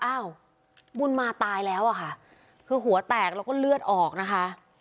อ้าวบุญมาตายแล้วอะค่ะคือหัวแตกแล้วก็เลือดออกนะคะ